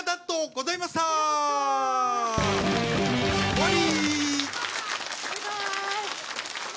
終わり！